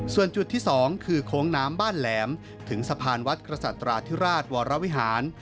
ส่วนจุดที่๒คือโค้งน้ำบ้านแหลมถึงสะพานวัดกษัตราธิราชวรวิหาร